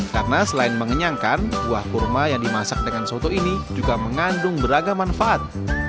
karena selain mengenyangkan buah kurma yang dimasak dengan soto ini juga mengandung beragam manfaat